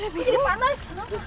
kok jadi panas